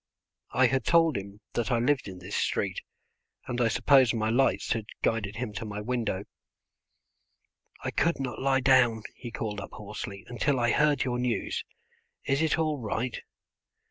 I had told him that I lived in this street, and I suppose my lights had guided him to my window. "I could not lie down," he called up hoarsely, "until I heard your news. Is it all right?"